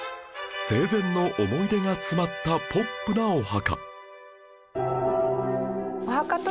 生前の思い出が詰まったポップなお墓